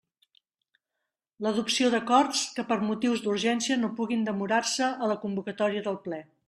L'adopció d'acords que per motius d'urgència no puguin demorar-se a la convocatòria del Ple.